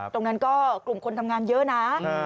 ตรงนั้นก็กลุ่มคนทำงานเยอะนะ